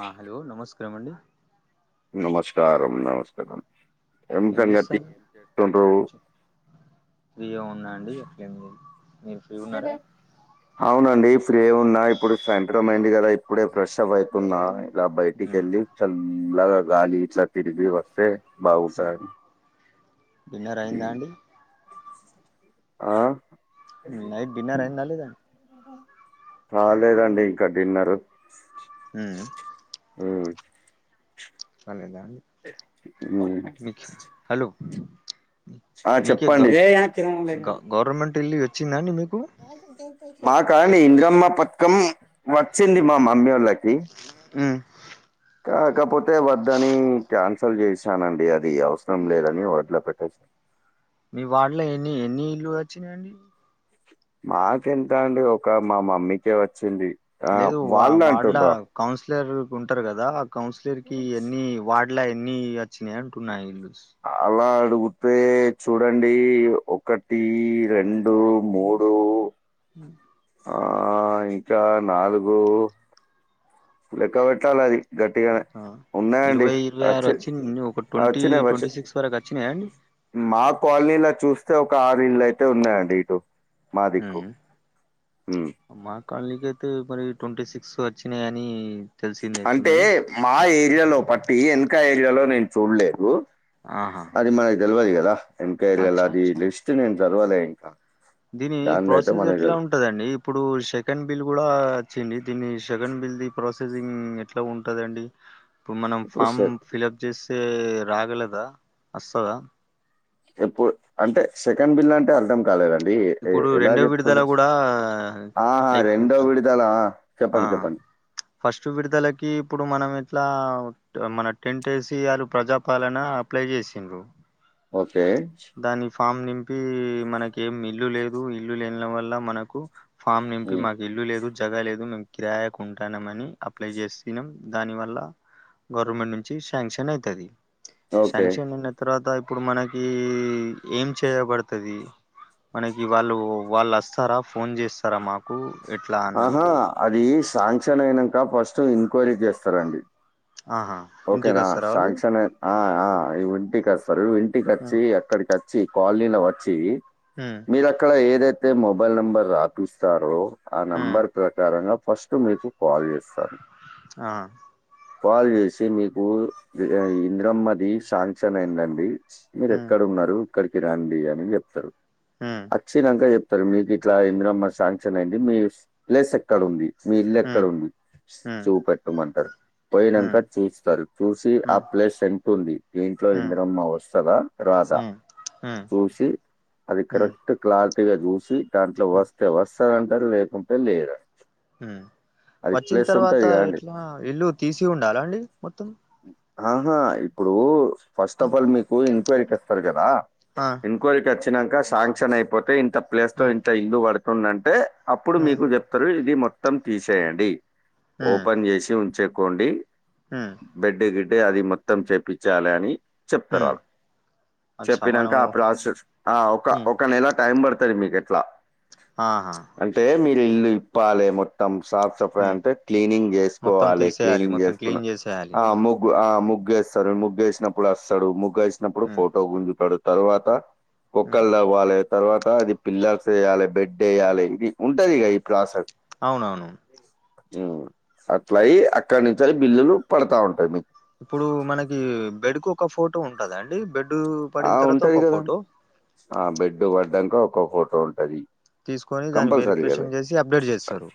ఆ హలో నమస్కారమండి నమాస్కారం నమస్కారం ఏం సంగతి కనీసం ఏం చేస్తుండ్రు ఏం వుంది అండి అట్లా ఏం లేదు మీరు ఫ్రీ ఉన్నారా సినఫ్ అవునండి ఫ్రీ యే ఉన్నా ఇప్పుడు సాయంత్రం ఐ ఇంది కదా ఇప్పుడే ఫ్రెష్ అప్ అయ్ తున్నా అలా ఉమ్ బయటికెళ్ళి చల్లగా గాలి తర్టి డికిరి వస్తే ఉమ్ బాగుంటాది డిన్నర్ అయిందా అండి అ నైట్ డిన్నర్ అయిందా లేదా కాలేేదండి ఇంకా డిన్నరు ఉ ఊ కాలేదా బిచ్ హలో ఆ మీకే అక్క చెప్పండి గ గవర్నమెంట్ ఇల్లు వచ్చిందా అండి మీకు మాకా అండి ఇంద్రమ్మ పథకం వచ్చింది మా మమ్మీవోళ్ళకి ది ఉమ్ కాకపోతే వద్దని క్యాన్సల్ చేశానండి అది అవసరం లేదని హోల్డ్ లో పెట్టేేశా మీ వార్డ్ లో ఎన్ని ఎన్ని ఇల్లు వచ్చినాయండి మాకెంత అండి ఒక మా మమ్మీకే వచ్చింది ఆ లేదు వా వాళ్ళు వార్డుల అంటుండ్రు కౌన్సిలర్ ఉంటరు కదా ఆ కౌన్సిలర్ కి ఇయన్ని వాడ్ ఇలా ఎన్ని అచ్చినాయ్ టున్న ఇళ్లుస్ అలా అడుగు తే చూడండి ఒకటి ఈ రెండు మూ హు ఆ ఇంకా నాలుగు లెక్క పెట్టాలె అది గట్టిగానే ఆ ఉన్నాయండి ఇరవై ఇరవై ఆరు వచ్చి వచిన్ ఒక ట్వంటీ వచ్చినాయి వచ్చి ట్వంటీ సిక్స్ వరకు వచ్చినాయా అండి మా క్వోలనీలో చూస్తే ఒక ఆరు ఇళ్ళయితే ఉన్నాయండి ఇటు మా దిక్కు. హ్మ్. ఊ మా క్వోలనీకయితే మరి ట్వంటీ సిక్స్ వచ్చినాయ్ అనీ అంటే మా ఏరియాలో పట్టి ఇంక ఏరియాలో నేను చూడలేదు ఆహా అది మనకి తెలవది గదా ఎన్కైర్గల్ అచ్చా ది అచ్చా లిస్ట్ నేన్ చదవలే ఇంకా దీని దానిదైతే ప్రోసెస్ మనకు ఎట్లా తెల్ ఉం ఉంటదండి ఇప్పుడు సెకండ్ బిల్ కూడా వచ్చింది దీన్ని సేకండ్ బిల్ ది ప్రాసెసింగ్ ఎట్లా ఉంటదండి ఇప్పుడు మనం ఫామ్ ఫిల్ ఆప్ చేస్తే రాగలదా వస్తదా ఎప్పుడు అంటే సెకండ్ బిల్ అంటే అర్ధం కాలేదండి ఇప్పుడు ఎలా రెండో విడుదల చెప్పాను కూడా ఆ ఆ అయిపో రెండో విడదలా ఆ ఫస్ట్ విడుదలకి ఇప్పుడు మనం ఎట్లా మన టెంట్ యేసి వారు ప్రజాపాలన అప్లై చేసిండ్రు ఓకే దాన్ని ఫామ్ నింపి మనకి ఏం ఇల్లు లేదు ఇల్లు లేని వల్ల మనకు ఫామ్ నింపీ హ్మ్. మరి ఇల్లు లేదు జగ లేదు మేము కిరాయాకు ఉంటాన్నం అని అప్లై చేసినం దాని వల్ల గవర్నమెంట్ నుంచి శాంక్షన్ అయితది ఓకే. శాంక్షన్ అయిన తర్వాత ఇప్పుడు మనకి ఈ ఏం చేయబడతాది మనకి వాళ్ళు వాళ్ళు వస్తారా ఫోన్ చేస్తారా మాకు ఎట్లా ఆహా! అన్నట్టు అది శాంక్షన్ అయినాంక ఫస్ట్ ఎంక్వైరీ చేస్తారు అండి ఆహా ఇంటికి ఓకేనా వస్తారా వాళ్ళు శాంక్షన్ అయి ఆ ఆ ఇంటికి వస్తారు ఇంటికి హ్మ్ వచ్చి అక్కడికి వచ్చి కాలనీలో వచ్చి మ్మ్ మీరు అక్కడ ఏది అయితే మొబైల్ నెంబర్ రాపిస్తారో ఆ హ్మ్ నెంబర్ ప్రకారంగా ఫస్ట్ అప్పుడు మీకు కాల్ చేస్తారు ఆ కాల్ చేసి మీకు ఇ ఇందిరమ్మ ది శాంక్షన్ అయిందండి మీరు హ్మ్ ఎక్కడ ఉన్నారు ఇక్కడికి రండి అని చెప్తారు హ్మ్ వచ్చినంక చెప్ సర్ మీకు ఇట్లా ఇందిరమ్మా శాంక్షన్ అయింది మీ ప్లేస్ ఎక్కడ ఉంది మీ ఇల్లు ఎక్కడ హ్మ్ ఉంది హ్మ్ చూపెట్టమంటారు పోయినాంక హ్మ్ చూస్తారు చూసి ఆ హ్మ్ ప్లేస్ ఎంత ఉంది దీంట్లో హ్మ్ ఇందిరమ్మ వస్తదా రాద హ్మ్ హ్మ్ చూసి అది హ్మ్ కరెక్ట్ క్లారిటీగా చూసి దాంట్లో హ్మ్ వస్తే వస్తాది అంటారు లేకుంటే లేదు అంటారు మ్మ్ వచ్చిన తర్వాత కాండి ఎట్లా ఇల్లు తీసి ఉండాల అండి మొత్తం ఆహా ఇప్పుడు ఫస్ట్ అప్ ఆల్ మీకు ఎంక్వైరీకి వస్తారు కదా ఆ ఎంక్వయిరీ కి వచ్చినంక శాంక్షన్ అయిపోతే ఇంత ప్లేస్ లో హ్మ్ ఇంత ఇల్లు పడుతుందంటే అప్పుడు హ్మ్ మీకు చెప్ చెపుతారు ఇది మొత్తం తీసేయండి ఓపెన్ చేసి ఉంచేకోండి మ్మ్ బెడ్డే గిడ్డే అది మొత్తం చెపించాలని చెప్తారు హ్మ్ వాళ్ళు అచ్చా చెప్పినంక మనము ఆ ప్రాసెస్ ఆ ఒక హ్మ్ ఒక నెల టైం పడుతది మీకు ఎట్లా ఆ ఆ అంటే మీరు ఇల్లు ఇప్పాలే మొత్తం సాప్ సాప్ గా హ్మ్ అంటే క్లినింగ్ మొత్తం చేసుకోవాలి తీసేయాలి క్లినింగ్ మొత్తం చేసుకున్న క్లీన్ చేసేయాలి అ ముగ్ ఆ ముగ్గేస్తారు ముగ్గేసినప్పుడు వస్తాడు ముగ్గు వేసినప్పుడు హ్మ్ ఫోటో గుంజుతాడు తర్వాత హ్మ్ బొక్కలు త్వవాలి తర్వాత అది పిల్లర్స్ వేయ్యాలి బెడ్ ఏయ్యాలి ఇది ఉంటది ఇగ ఈ ప్రాసెస్ అవునవును మ్మ్ అట్లా అయ్యి అక్కడి నుంచి బిల్లులు పడతా ఉంటాయి మీకు ఇప్పుడు మనకి బెడ్ కు ఒక ఫోటో ఉంటాదండి బెడ్ ఆ పడిన తర్వాత ఉంటది ఒక కదా ఫోటో ఆ బెడ్డు పడ్డాంక ఒక ఫోటో ఉంటది తీసుకొని దాన్ని కంపల్సరీ కదా వెరిఫికేషన్ చేసి అప్డేట్ చేస్తారు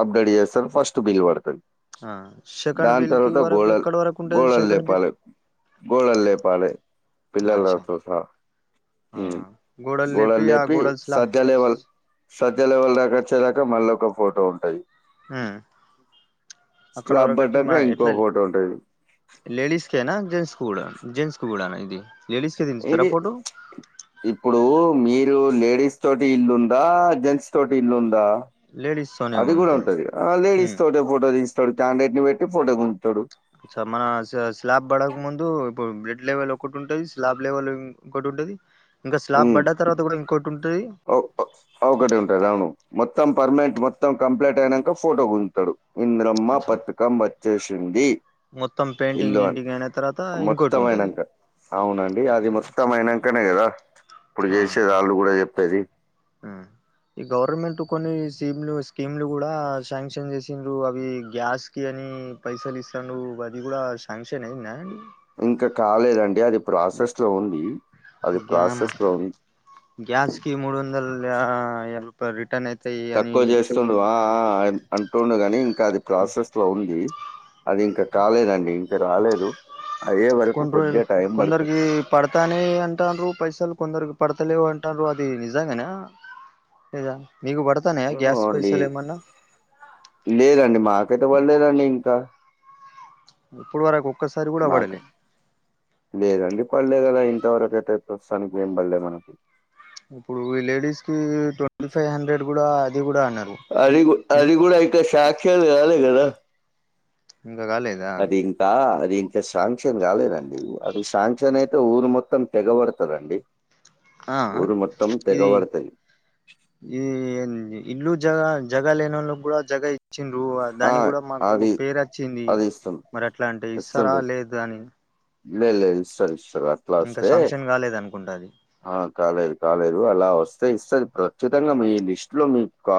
అప్డేట్ చేస్తారు ఫస్ట్ బిల్ పడుతది ఆ సెకండ్ దాని బిల్ కి తర్వాత వరకు గోడళ్ ఎక్కడ వరకు ఉంటది గోడళ్ సెకండ్ బిల్ లేపాలి గోడళ్ లేపాలి పిల్లర్ అచ్చా లతో సహా ఆ ఉమ్ గోడలు లేపి సజ్జ లేవల్ సజ్జ లెవల్ దకా వచ్చేదాకా మళ్ళ ఒక ఫోటో ఉంటది ఉమ్ అక్కడ స్లాబ్ వరకు వచ్చి పడ్డాక మా ఇంకో ఎట్లా ఫోటో ఉంటాది లేడీస్ కేనా జెంట్స్ కుడా కూడా జెంట్స్ కి కూడానా ఇది లేడీస్ కే దించుతారా ఇది ఫోటో ఇప్పుడు మీరు లేడీస్ తోటి ఇల్లుందా జెంట్స్ తోటి ఇల్లుందా లేడీస్ తోనే అది కూడా ఉంటది ఆ లేడిస్ ఉమ్ తోటే ఫోటో తీస్తాడు క్యాండేటిని పెట్టి ఫోటో గుంజుతాడు స మన స్లాబ్ పడక ముందు ఇప్పుడు బ్లడ్ లెవెల్ ఒకటి ఉంటది స్లాబ్ లెవెల్ ఇంకోటి ఉంటది ఇంకా స్లాబ్ ఉమ్ పడ్డ తర్వాత కూడా ఇంకోటి ఉంటది ఒకటి ఉంటంది అవును మొత్తం పర్మనెంట్ మొత్తం కంప్లీట్ అయినాక ఫోటో గుంజుతాడు ఇంద్రమ్మ అచ్చా పతకం వచ్చేసింది మొత్తం ఇల్లు పెయింటింగ్ అని గింటింగ్ అయిన తర్వాత ఇంకోటి మొత్తం ఉంటది అయినాక అవునండి అది మొత్తం అచ్చా అయినాకనే కదా ఇప్పుడు చేసేది వాళ్ళు కూడా చెప్పేది ఉం ఈ గవర్నమెంట్ కొన్ని స్కీమ్లు స్కీమ్లు కూడా శాంక్షన్ చేసిన్రు అవి గ్యాస్ కి అని పైసలు ఇస్తండు అది కూడా శాంక్షన్ అయిందా ఇంక కాలేదండి అది ప్రాసెస్ లో ఉంది అది ప్రాసెస్ లో ఉ గ్యాస్ కి మూడుందల్ల్ ఆ ఎంతో రిటర్న్ అయి తక్కువ చేస్తుండు ఆ ఆ అంటుండు గాని ఇంకా అది ప్రాసెస్ లో ఉంది అది ఇంకా కాలేదండి ఇంక రాలేదు అయ్యే వరకు కొన్ని రోజులు కొద్దగా టైం పడుతది కొందరికి పడతానే అంటనరు పైసలు కొందరికి పడతలేవు అంటన్నారు అది నిజంగానే లేదా మీకు పడతానయా ఏమో గ్యాస్ అండి. పైసలు ఏమన్నా లేదండి మాకైతే పడలేదండి ఇంకా ఇప్పుడు వరకు ఒక్కసారి కూడా మాకు పడలే లేదండి పడలేదు కదా ఇంతవరకు అయితే ప్రస్తుతానికి ఏం పడలేదు మనకి ఇప్పుడు లేడీస్ కి ట్వంటీ ఫైవ్ హండ్రెడ్ కూడా అది కూడా అన్నారు అది అది కూడా అయితే శాంక్షన్ కాలే కదా ఇంకా కాలేదు అది కా అది ఇంకా శాంక్షన్ కాలేదండి అది శాంక్షన్ అయితే ఊరు మొత్తం తెగబడుతరండి ఆ ఇది తెగబడతది. ఈ ఇల్లు జగ జగ లేనోళ్లకి కూడా జగ ఇచ్చిన్రు ఆ! దాని కూడా మాకు అది పేరు వచ్చింది అది ఇస్తుం మరి ఎట్లా అంటే ఇస్తారా ఇస్తుండ్రు. లేద అని లేదు లేదు ఇస్తారు ఇస్తారు అట్లా ఇంకా వస్తే శాంక్షన్ కాలేదు అనుకుంట అది ఆ కాలేదు కాలేదు అలా వస్తే ఇస్తది ఖచ్చితంగా మీ లిస్ట్ లో మీకు కా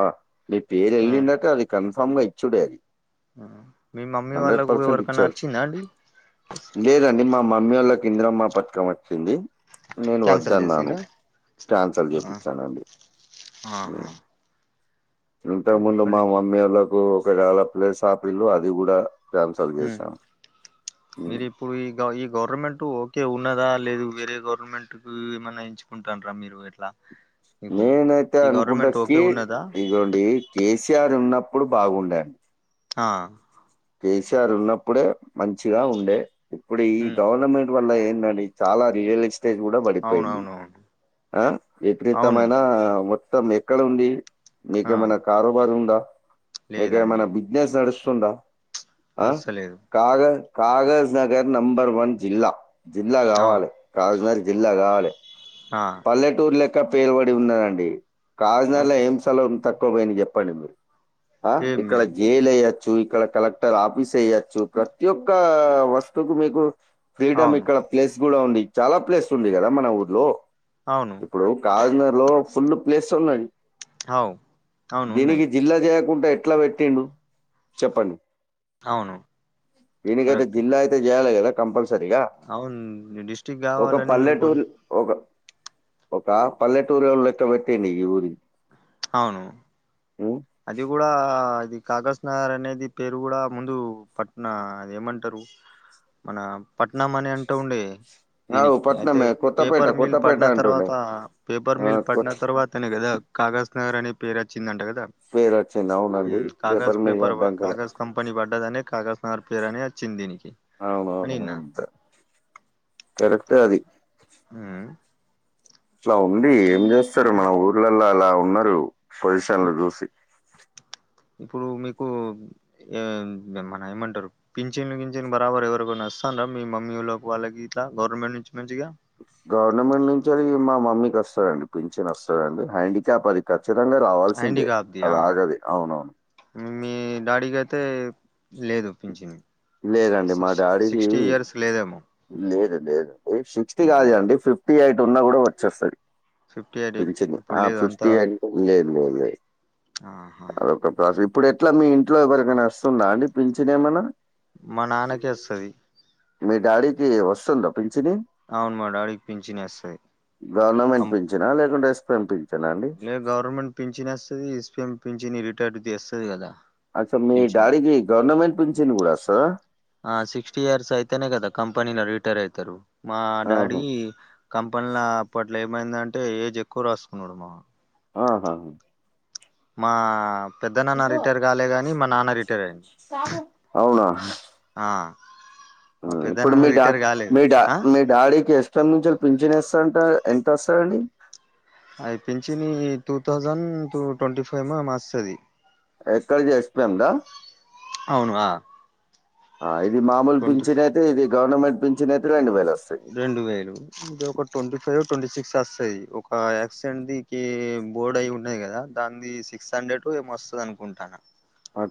మీ పేరు ఆ వెళ్లినాక అది కన్ఫామ్ గా ఇచ్చుడే అది ఆ మీ మమ్మీ హండ్రెడ్ వాళ్ళకు పర్సెంట్ ఎవరికన్నా ఇచ్చరు వచ్చిందా అండి లేదు అండి మాక్ మమ్మీ వాళ్ళకి ఇంద్రమ్మ పథకం వచ్చింది నేను క్యాన్సల్ వద్దన్నాను చేసిండ్రా కాన్సిల్ ఆ, చేపిచానండి ఆహా ఇంకా ఇంతకుముందు మా చెప్పండి ఇంక మమ్మీ వాళ్ళకు ఒకవేళ ప్లేస్ ఆపిల్లు అది కూడా కాన్సల్ చేశాము మీరు ఇప్పుడు ఈ ఈ గవర్నమెంట్ ఓకే ఉన్నదా లేదు వేరే గవర్నమెంట్ ఉ ఏమన్న ఎంచుకుంటాడ్రా మీరు ఎట్లా మీకు నేనైతే ఈ గవర్నమెంట్ అనుకుంటకిి ఓకే ఉన్నదా ఇగొండి కేసీఆర్ ఉన్నప్పుడు బాగుండే ఆ కేసీఆర్ ఉన్నప్పుడే మంచిగా ఉండే ఇప్పుడు ఈ హ్మ్ గవర్నమెంట్ వల్ల ఎందండీ చాలా రియలిస్ స్టేట్ కూడా పడిపోయింది అవునవునవును ఆ అవును విపరీతమైన మొత్తం ఎక్కడ ఉంది ఆ మీకేమైనా కారోబార్ ఉందా లేదండి మీకేమైనా బిజినెస్ నడుస్తుందా ఆ నడుస్తలేదు కాగ కాగజ్ నగర్ నంబర్ వన్ జిల్లా జిల్లా అవును కావాలే కాగజ్ నగర్ జిల్లా కావాలె ఆ పల్లెటూరు లెక్క పేరుపడి ఉన్నాదండి కాగజ్ నగర్ లో అట్ ఏం స్థలం తక్కువ పోయింది చెప్పు చెప్పండి మీరు ఆ ఏం ఇక్కడ లేదు జైలు వేయొ చ్చు ఇక్కడ కలెక్టర్ ఆఫీస్ వెయ్యచ్చు ప్రతి ఒక్క వస్తువుకు మీకు ఫ్రీడమ్ అవును ఇక్కడ ప్లేస్ కూడా ఉంది చాలా ప్లేస్ ఉంది కదా మన ఊర్లో అవును ఇప్పుడు కాగజ్ నగర్ లో ఫుల్ ప్లేస్ ఉన్నది అవ్ అవును ఉన్నాయి దీనికి జిల్లా చేయకుండా ఎట్లా పెట్టిండు చెప్పండి అవును దీనికైతే కరెక్ట్ జిల్లా అయితే చేయాలి కదా కంపల్సరిగా అవును నేను డిస్రిక్ట్ కావాలని కొ ఒక ఒక పల్లెటూరో లెక్కపెట్టిండు ఈ ఊరిని అవును ఊ అది కూడా అది కాగజ్ నగర్ అనేది పేరు కూడా ముందు పట్న అది ఏమంటారు మన పట్నం అని అంటుండే కాదు దీనికి అయితే పట్నమే కొత్తపేట పేపర్ మిల్ కొత్తపేట పడిన అంటుండే తర్వాత పేపర్ ఆ, మిల్ పడిన కొత్త తర్వాతనే కదా కాగజ్ నగర్ అనే పేరు వచ్చిందంట కదా పేరొచ్చింది అవునండి ఉమ్ కాగజ్ పేపర్ మీల్ వ- పడ్డంకనే కాగజ్ కంపెనీ పడ్డదనే కాగజ్ నగర్ పేరు అని వచ్చింది దీనికి అని అవునవును విన్నా అంతే కరెక్టే అది ఉమ్ అట్లా ఉంది ఏం చేస్తారు మన ఊర్లలో అలా ఉన్నారు పొజిషన్లు ఇప్- చూసి ఇప్పుడు మీకు ఎమ్ మన ఏమంటారు పింఛన్లు గించను బరాబర్ ఎవరికైనా వస్తందా మీ మమ్మీ వాళ్ళకు వాళ్ళకి ఇట్లా గవర్నమెంట్ నుంచి మంచిగా గవర్నమెంట్ నుంచి అది మా మమ్మీకి వస్తాదండి పింఛన్ వస్తాదండి హ్యాండిక్యాప్ అది ఖచ్చితంగా రావాల్సిందే అది ఆగది అవునవును ఉ మీ డాడీకి అయితే లేదు పించను లేదండి మా సిక్స్ సిక్స్టీ డాడీది ఇయర్స్ లేదేమో లేదు లేదండి సిక్స్టీ కాదు అండి ఫిఫ్టీ ఎయిట్ ఉన్నా కూడా వచ్చేస్తది ఫిఫ్టీ ఎయిట్ పింఛను ఇప్పుడు ఆ లేదు ఫిఫ్టీ అంతా ఎయిట్ లేదు లేదు లేదు ఆహా అదొక ప్రాసెస్ ఇప్పుడు ఎట్లా మీ ఇంట్లో ఎవరికైనా వస్ స్తుందా అండీ పించిన్ ఏమన్నా మా నాన్నకే వస్తది మీ డాడీకి వస్తుందా పించిని అవును మా డాడీకి పించిని వస్తది కం జనా లేకుంటే ఎస్ పెం పించనా అండి లే గవర్నమెంట్ పింఛిని వస్తది ఎస్పి ఎం పించిని రిటైర్డ్ ది అస్తది కదా అచా మీ పింఛన్ డాడీకి గవర్నమెంట్ పించన్ కూడా అస్తదా ఆ సిక్స్టీ ఇయర్స్ అయితేనే కదా కంపెనీల రిటైర్ అయితరు మా డాడీ ఆహా! కంపెనీల అప్పట్లో ఏమైందంటే ఏజ్ ఎక్కువ రాసుకున్నాడు మా ఆహాహా మా పెద్దనాన్న రిటైర్ కాలే గాని మా నాన్న రిటైర్ అయిండు అవునా? హా ఇప్పుడు మీ డా మీ డా మీ డాడీకి ఎస్టం నుంచి పించిను వస్తాడంట ఎంత వస్తదండి అయ్ పించిని two thousand two twenty five ఏమో వస్తది యెస్ ఐ జి యెస్ పెం దా అవును ఆ ఆ ఇది మామూలు ట్వంటీ పింఛన్ అయితే ఇది గవర్నమెంట్ పింఛన్ అయితే రెండు వేలు వస్తయ్ రెండు వేలు ఇది ఒక ట్వంటీ ఫైవొ ట్వంటీ సిక్సో వస్తయ్ ఒక యాసిడెంట్ ది ఇ బోర్డు అయి ఉన్నయ్ కదా దాన్ది సిక్స్ హండ్రెడ్ ఏమొ వస్తుందనుకుంటాన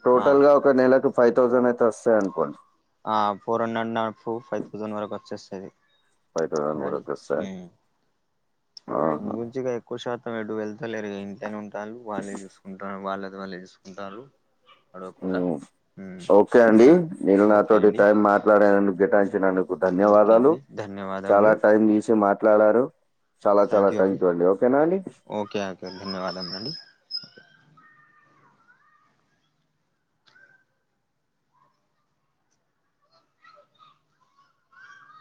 టోటల్ గా ఒక నెలకు ఫైవ్ థౌజండ్ అయితే వస్తాయ్ అనుకోండి ఆ ఫోర్ హండ్రెడ్ నా ఫు ఫైవ్ థౌజండ్ వరకు వచ్చేస్తది ఫైవ్ తౌసండ్ అలాడి వరకు వస్తయ అందు గురించిగా ఎక్కువ శాతం ఎడు వెళ్తాలేరు ఇటనే ఉంటారు వాళ్ళే చూసుకుంటారు వాళ్ళ వాళ్ళే చూస్ ఉంటారు అడగకుండా హ్మ్. మ్ ఓకే ఇట్లా అండి ఉంది నేను ఓకే నాతోటి అండి టైం మాట్లాడేనదుకు కేటాయించినకు ఓకే ధన్యవాదాలు అండి చాలా ధన్యవాదములు టైం తీసి మాట్లాడారు చాలా చాలా థాంక్ యూ అండి ఓకేనా అండి ఓకే ఓకే ధన్యవాదం అండి